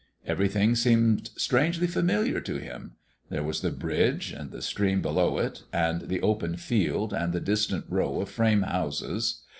Everything seemed strangely familiar to him. There was the bridge and the stream below it, and the open field and the distant row of frame houses.